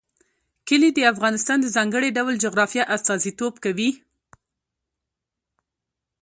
کلي د افغانستان د ځانګړي ډول جغرافیه استازیتوب کوي.